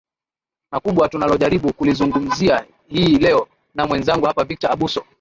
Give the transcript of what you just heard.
na kubwa tunalojaribu kulizungumzia hii leo na mwenzangu hapa victor abuso